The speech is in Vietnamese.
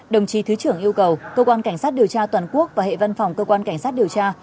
đồng chí thứ trưởng yêu cầu cơ quan cảnh sát điều tra toàn quốc và hệ văn phòng cơ quan cảnh sát điều tra